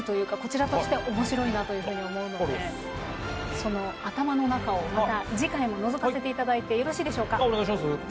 その頭の中をまた次回ものぞかせていただいてよろしいでしょうか？